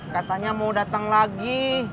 katanya mau datang lagi